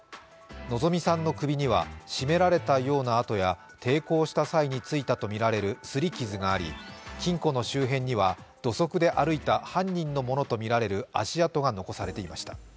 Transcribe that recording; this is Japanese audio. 希美さんの首には絞められたような痕や抵抗した際についたとみられる擦り傷があり、金庫の周辺には土足で歩いた犯人のものとみられる足跡が残されていました。